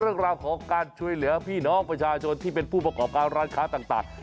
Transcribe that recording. เรื่องราวของการช่วยเหลือพี่น้องประชาชนที่เป็นผู้ประกอบการร้านค้าต่าง